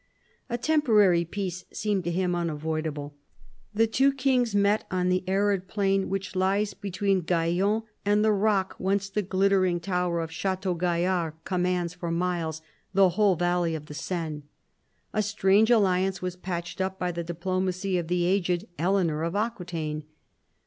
A temporary peace seemed to him unavoid able. The two kings met on the arid plain which lies between Gaillon and the rock whence the glittering tower of Chateau Gaillard commands for miles the whole valley of the Seine. A strange alliance was patched up by the diplomacy of the aged Eleanor of Aquitaine.